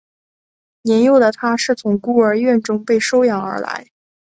年幼的他是从孤儿院中被收养而来。